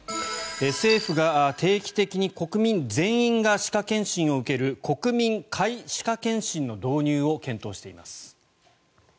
政府が定期的に国民全員が歯科検診を受ける国民皆歯科検診の導入を検討しています。